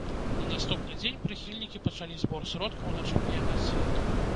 На наступны дзень прыхільнікі пачалі збор сродкаў на чэмпіянат свету.